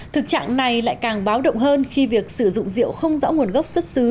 thực trạng này lại càng báo động hơn khi việc sử dụng rượu không rõ nguồn gốc xuất xứ